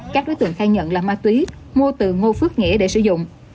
các đối tượng khai nhận là ma túy mua từ ngô phước nghĩa để sử dụng